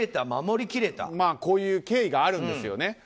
こういう経緯があるんです。